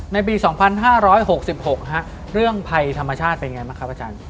ในปี๒๕๖๖เรื่องภัยธรรมชาติเป็นไงบ้างครับอาจารย์